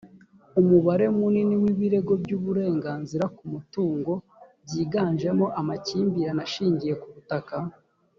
umubare munini w’ibirego by’uburenganzira ku mutungo byiganjemo amakimbirane ashingiye ku butaka.